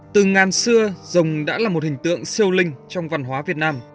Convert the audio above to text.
từ ngàn xưa dòng đã là một hình tượng siêu linh trong văn hóa việt nam